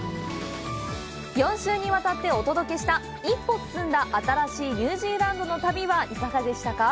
４週にわたってお届けした一歩進んだ新しいニュージーランドの旅はいかがでしたか？